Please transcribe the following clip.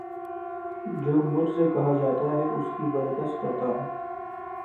جو مجھ سے کہا جاتا ہے اس کے بر عکس کرتا ہوں